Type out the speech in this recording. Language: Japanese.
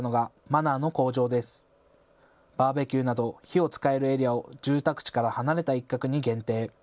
バーベキューなど火を使えるエリアを住宅地から離れた一角に限定。